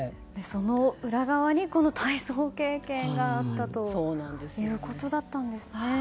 その裏側に、この体操経験があったということだったんですね。